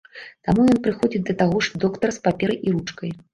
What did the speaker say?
Таму ён прыходзіць да таго ж доктара з паперай і ручкай.